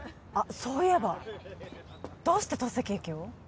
そういえばどうして透析液を？